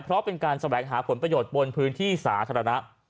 เพราะเป็นการแสวงหาผลประโยชน์บนพื้นที่สาธารณะ